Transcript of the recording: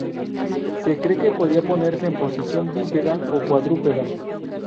Se cree que podía ponerse en posición bípeda o cuadrúpeda.